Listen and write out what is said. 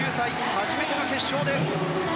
初めての決勝です。